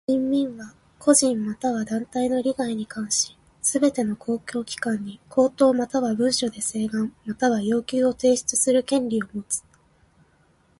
人民は個人または団体の利害に関しすべての公共機関に口頭または文書で請願または要求を提出する権利をもつ。